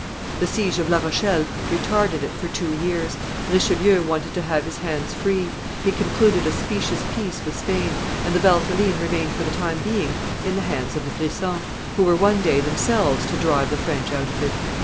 The siege of La Rochelle retarded it for two years; Richelieu wanted to have his hands free; he concluded a specious peace with Spain, and the Valteline remained for the time being in the hands of the Grisons, who were one day themselves to drive the French out of it.